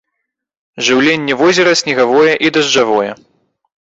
Жыўленне возера снегавое і дажджавое.